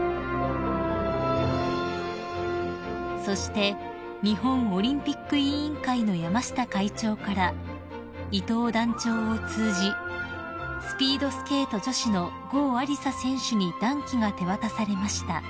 ［そして日本オリンピック委員会の山下会長から伊東団長を通じスピードスケート女子の郷亜里砂選手に団旗が手渡されました］